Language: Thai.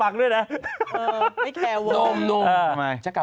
คอร์ตค่ะ